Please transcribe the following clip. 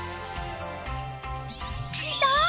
いた！